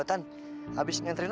eh tan abis nganterin opi